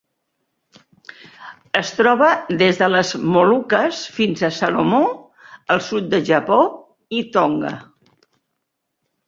Es troba des de les Moluques fins a Salomó, el sud del Japó i Tonga.